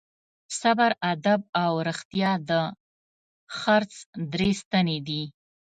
صبر، ادب او رښتیا د خرڅ درې ستنې دي.